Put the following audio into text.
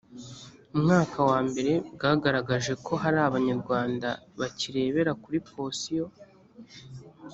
mwaka wa mbere bwagaragaje ko hari abanyarwanda bakirebera kuri posiyo